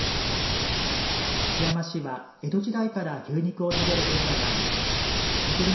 津山市は江戸時代から牛肉を食べる文化がありそずり